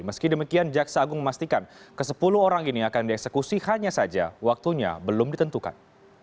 meski demikian jaksa agung memastikan ke sepuluh orang ini akan dieksekusi hanya saja waktunya belum ditentukan